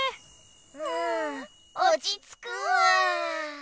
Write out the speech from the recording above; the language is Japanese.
うんおちつくわ。